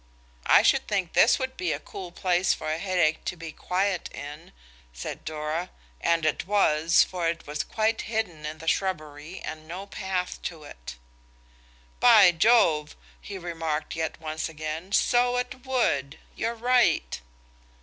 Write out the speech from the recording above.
"I should think this would be a cool place for a headache to be quiet in," said Dora; and it was, for it was quite hidden in the shrubbery and no path to it. "By Jove!" he remarked yet once again, "so it would. You're right!"